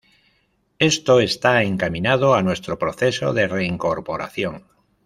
Esto está encaminado a nuestro proceso de reincorporación".